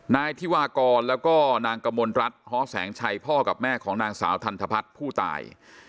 นายธิวากรแล้วก็นางกมลรัฐฮแสงชัยพ่อกับแม่ของนางสาวทันทพัฒน์ผู้ตาย